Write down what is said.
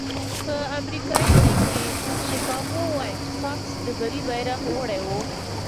په امریکایي لېګ کې شکاګو وایټ ساکس د بري بیرغ وړی وو.